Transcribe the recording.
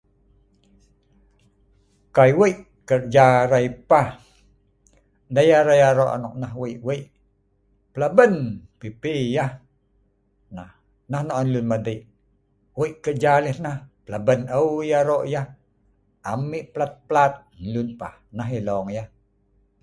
"If our work is good. We will do it we'll and solidly. That's what people say "" the man's work is very good. What he does is solid, not open. That' s what he means."